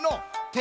て